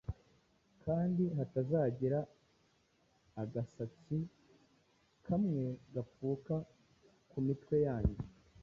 kandi hatazagira agasatsi kamwe gapfuka ku mitwe yanyu